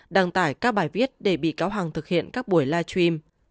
đăng tải các bài viết để bị cáo hằng thực hiện các buổi live stream